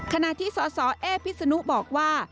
ขณะที่ศาสตรแอพิทธสนุบอกว่า